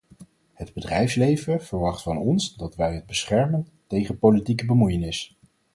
Het bedrijfsleven verwacht van ons dat wij het beschermen tegen politieke bemoeienis.